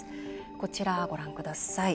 こちら、ご覧ください。